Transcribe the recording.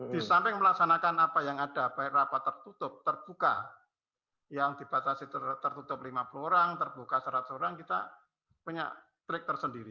di samping melaksanakan apa yang ada baik rapat tertutup terbuka yang dibatasi tertutup lima puluh orang terbuka seratus orang kita punya trik tersendiri